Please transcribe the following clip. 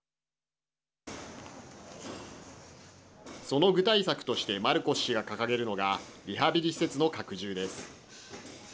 その具体策としてマルコス氏が掲げるのがリハビリ施設の拡充です。